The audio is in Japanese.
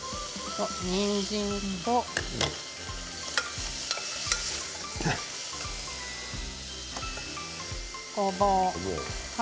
にんじんとごぼう。